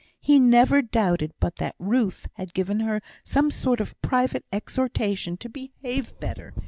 He never doubted but that Ruth had given her some sort of private exhortation to behave better.